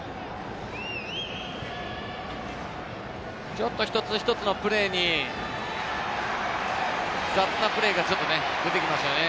ちょっと一つ一つのプレーに雑なプレーがちょっと出てきましたね。